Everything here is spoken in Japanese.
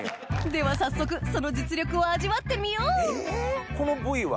では早速その実力を味わってみようこの部位は？